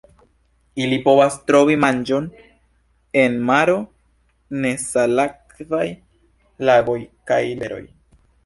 Ili povas trovi manĝon en maro, nesalakvaj lagoj kaj riveroj.